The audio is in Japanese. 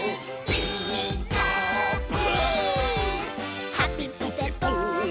「ピーカーブ！」